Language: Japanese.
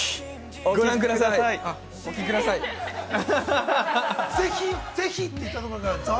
◆ご覧ください、あっ。